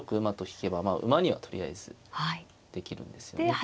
馬と引けばまあ馬にはとりあえずできるんですよね。